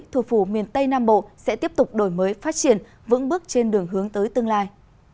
thủ phủ miền tây nam bộ sẽ tiếp tục đổi mới phát triển vững bước trên đường hướng tới tương lai